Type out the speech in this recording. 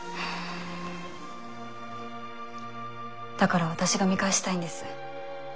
だから私が見返したいんです。